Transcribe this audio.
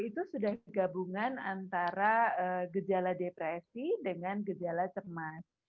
itu sudah gabungan antara gejala depresi dengan gejala cemas